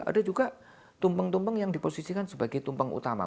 ada juga tumpeng tumpeng yang diposisikan sebagai tumpeng utama